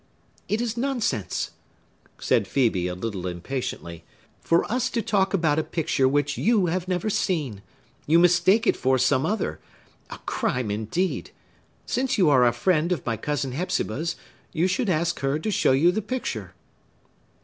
"It is nonsense," said Phœbe a little impatiently, "for us to talk about a picture which you have never seen. You mistake it for some other. A crime, indeed! Since you are a friend of my cousin Hepzibah's, you should ask her to show you the picture."